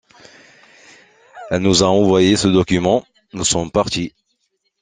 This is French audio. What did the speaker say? Elle nous a envoyé ce document, nous sommes partis.